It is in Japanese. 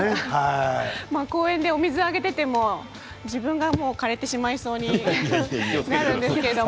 公園で水をあげていても自分が枯れてしまいそうになるんですけど。